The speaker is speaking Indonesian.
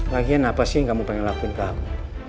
lagian apa sih yang kamu pengen lakuin ke aku